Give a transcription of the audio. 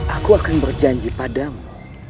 aku akan berjanji padamu